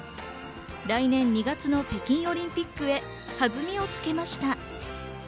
来年２月の北京オリンピックへ弾みをつけました。